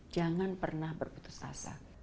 jangan pernah berputus asa